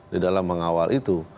di dalam mengawal itu